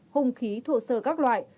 hùng khí thuộc sơ các loại